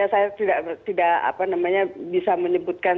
saya tidak bisa menyebutkan